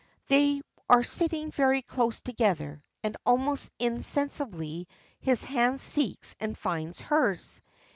They are sitting very close together, and almost insensibly his hand seeks and finds hers.